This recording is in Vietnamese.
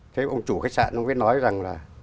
thế ông chủ khách sạn mới nói rằng là